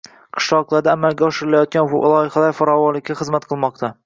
Qishloqlarda amalga oshirilayotgan loyihalar farovonlikka xizmat qilmoqda